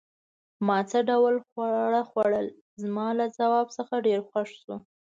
ما څه ډول خواړه خوړل؟ زما له ځواب څخه ډېر خوښ شو.